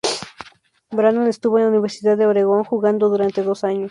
Brandon estuvo en la Universidad de Oregon jugando durante dos años.